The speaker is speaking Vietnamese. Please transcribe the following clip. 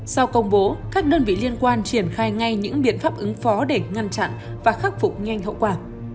sau công bố các đơn vị liên quan triển khai ngay những biện pháp ứng phó để ngăn chặn và khắc phục nhanh hậu quả